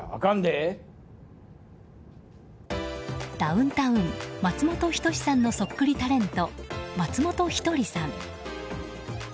ダウンタウンの松本人志さんのそっくりタレント、松本一人さん。